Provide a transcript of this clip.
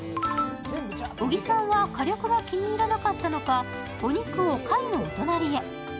小木さんは火力が気に入らなかったのかお肉を貝のお隣へ。